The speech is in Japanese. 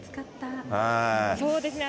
そうですね。